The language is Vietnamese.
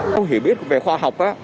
không hiểu biết về khoa học